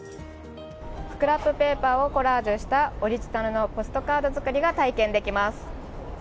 スクラップペーパーをコラージュした、オリジナルのポストカード作りが体験できます。